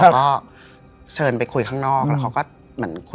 เขาเคริญไปคุยข้างนอก